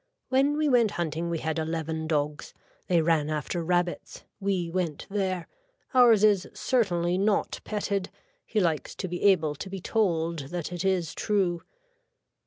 When we went hunting we had eleven dogs. They ran after rabbits. We went there. Ours is certainly not petted. He likes to be able to be told that it is true.